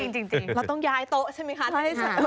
จริงเราต้องย้ายโต๊ะใช่ไหมคะ